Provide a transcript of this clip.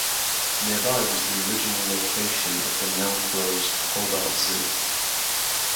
Nearby was the original location of the now closed Hobart Zoo.